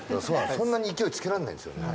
そんなに勢いつけられないんですよね。